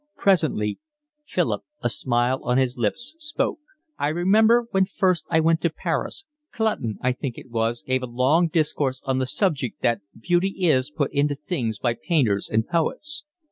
Presently Philip, a smile on his lips, spoke. "I remember when first I went to Paris, Clutton, I think it was, gave a long discourse on the subject that beauty is put into things by painters and poets.